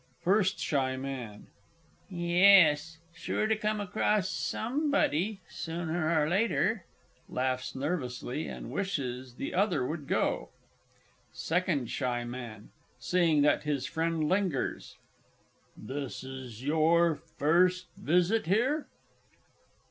FIRST S. M. Yes; sure to come across somebody, sooner or later. [Laughs nervously, and wishes the other would go. SECOND S. M. (seeing that his friend lingers). This your first visit here?